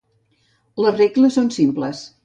Les regles són simples.